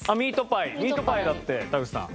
ミートパイだって田口さん。